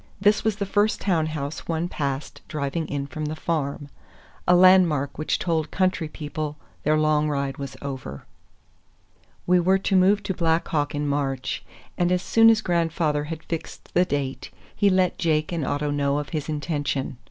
This was the first town house one passed driving in from the farm, a landmark which told country people their long ride was over. We were to move to Black Hawk in March, and as soon as grandfather had fixed the date he let Jake and Otto know of his intention.